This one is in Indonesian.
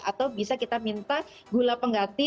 atau bisa kita minta gula pengganti